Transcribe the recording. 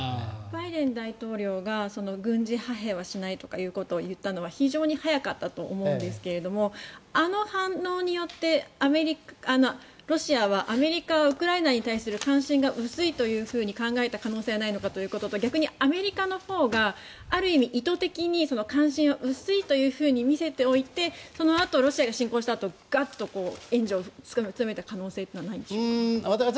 バイデン大統領が軍事派兵はしないと言ったことは非常に早かったと思うんですがあの反応によってロシアはアメリカはウクライナに対する関心が薄いというふうに考えた可能性はないのかということと逆にアメリカのほうがある意味、意図的に関心は薄いというふうに見せておいてそのあとロシアが侵攻したあとガッと援助を進めた可能性はないんでしょうか。